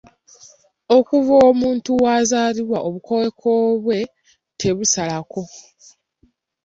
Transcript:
"Okuva omuntu lw’azaalibwa, obukoowekoowe bwe tabusalako."